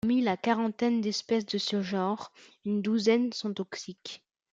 Parmi la quarantaine d'espèces de ce genre, une douzaine sont toxiques.